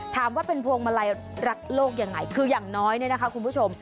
ถามว่าเป็นพวงมาลัยรักโลกยังไงคืออย่างน้อยเนี่ยนะคะคุณผู้ชม